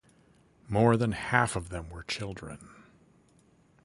More than half of them were children.